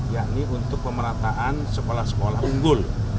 yakni untuk pemerataan sekolah sekolah unggul